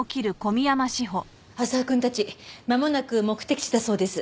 浅輪くんたちまもなく目的地だそうです。